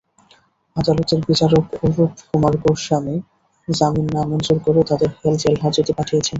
আদালতের বিচারক অরূপ কুমার গোস্বামী জামিন নামঞ্জুর করে তাঁদের জেলহাজতে পাঠিয়েছেন।